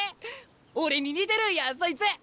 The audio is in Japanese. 俺に似てるんやそいつ。